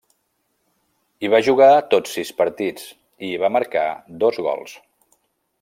Hi va jugar tots sis partits, i hi va marcar dos gols.